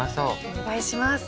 お願いします。